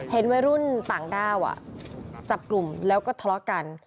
เห็นวัยรุ่นต่างด้าวจับกลุ่มแล้วก็ทะเลาะกัน